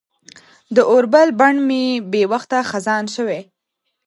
د اوربل بڼ مې بې وخته خزان شوی